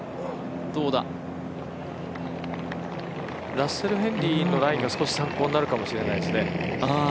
ラッセル・ヘンリーのラインが少し参考になるかもしれないですね。